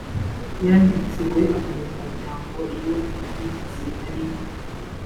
yandikiwe abanyamuryango iyo umuvugiziari